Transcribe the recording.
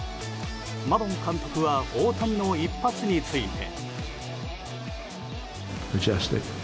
マドン監督は大谷の一発について。